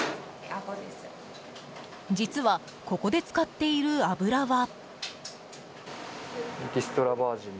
実は、ここで使っている油は。